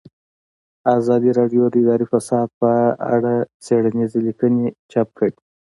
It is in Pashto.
ازادي راډیو د اداري فساد په اړه څېړنیزې لیکنې چاپ کړي.